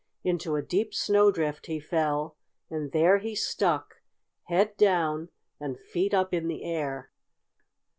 Into a deep snowdrift he fell, and there he stuck, head down and feet up in the air!